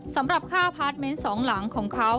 สำหรับค่าพาร์ทเมนต์สองหลังของเขา